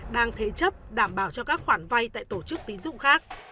đang thế chấp đảm bảo cho các khoản vay tại tổ chức tín dụng khác